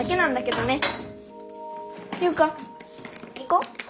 優花行こう。